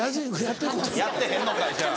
やってへんのかいじゃあ。